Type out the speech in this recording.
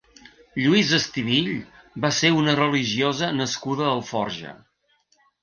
Lluïsa Estivill va ser una religiosa nascuda a Alforja.